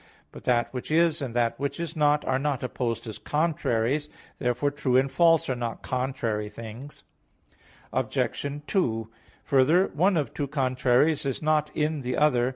But that which is and that which is not are not opposed as contraries. Therefore true and false are not contrary things. Obj. 2: Further, one of two contraries is not in the other.